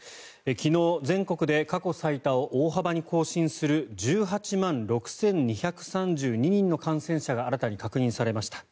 昨日、全国で過去最多を大幅に更新する１８万６２３２人の感染者が新たに確認されました。